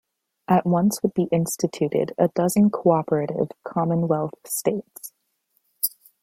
At once would be instituted a dozen cooperative commonwealth states.